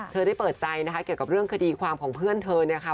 เธอได้เปิดใจนะคะเกี่ยวกับเรื่องคดีความของเพื่อนเธอเนี่ยค่ะ